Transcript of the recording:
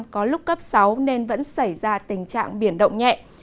có lúc cấp sáu nên vẫn xảy ra tình trạng biển động nhẹ